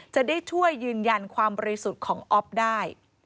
จะได้ช่วยยืนยันความบริสุทธิ์ของอ๊อฟได้